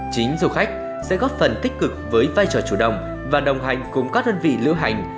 chính du khách sẽ góp phần tích cực với vai trò chủ động và đồng hành cùng các đơn vị lưu hành